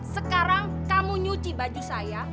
sekarang kamu nyuci baju saya